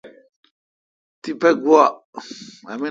تیپہ گوا۔